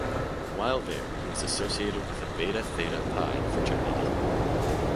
While there, he was associated with the Beta Theta Pi fraternity.